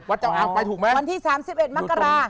วันที่สามสิบเอ็ดมักกรา